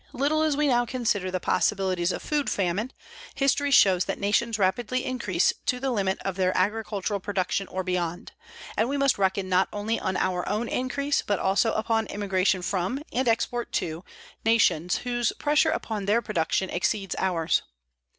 Little as we now consider the possibilities of food famine, history shows that nations rapidly increase to the limit of their agricultural production or beyond, and we must reckon not only on our own increase but also upon immigration from, and export to, nations whose pressure upon their production exceeds ours.